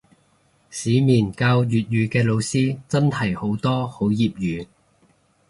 市面教粵語嘅老師真係好多好業餘